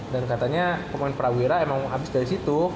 dan katanya pemain perawiran emang abis dari situ